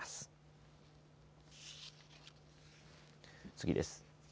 次です。